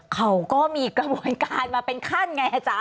เขาก็มีกระบวนการมาเป็นขั้นไงอาจารย